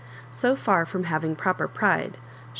So far from having proper pride, she.